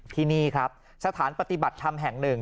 ที่นี่ครับสถานปฏิบัติธรรมแห่งหนึ่ง